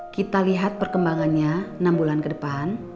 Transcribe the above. kita lihat perkembangannya enam bulan ke depan